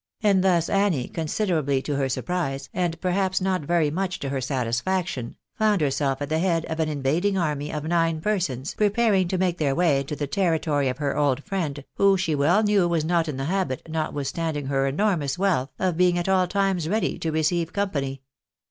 And thus Annie, considerably to her surprise, and perhaps not very much to her satisfaction, found herself at the head of an invading army of nine persons, preparing to make their way into the territory of her old friend, who she well knew was not in the habit, notwithstanding her enormous wealth, of being at all times ready to receive company.